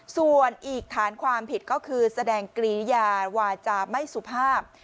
ส่วนอีกฐานความผิดก็คือแสดงกรียาวาจาไม่สุภาพ